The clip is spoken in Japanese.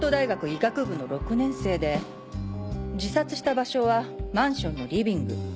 医学部の６年生で自殺した場所はマンションのリビング。